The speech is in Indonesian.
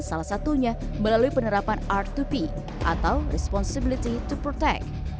salah satunya melalui penerapan r dua p atau responsibility to protect